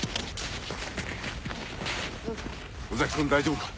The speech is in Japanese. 尾崎君大丈夫か？